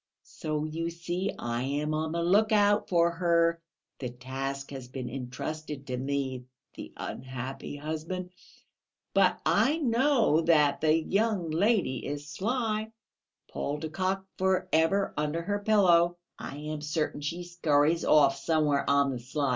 "So, you see, I am on the look out for her. The task has been entrusted to me (the unhappy husband!). But I know that the young lady is sly (Paul de Kock for ever under her pillow); I am certain she scurries off somewhere on the sly....